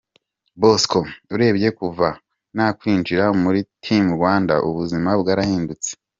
Bosco: Urebye kuva nakwinjira muri Team Rwanda, ubuzima bwarahindutse.